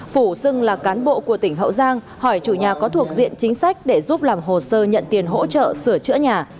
phủ xưng là cán bộ của tỉnh hậu giang hỏi chủ nhà có thuộc diện chính sách để giúp làm hồ sơ nhận tiền hỗ trợ sửa chữa nhà